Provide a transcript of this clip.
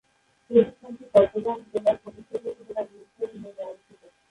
প্রতিষ্ঠানটি চট্টগ্রাম জেলার ফটিকছড়ি উপজেলার ভূজপুর ইউনিয়নে অবস্থিত।